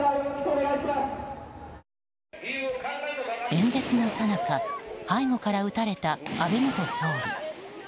演説のさなか背後から撃たれた安倍元総理。